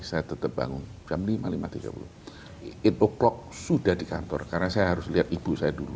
saya tetap bangun jam lima tiga puluh itu klok sudah di kantor karena saya harus lihat ibu saya dulu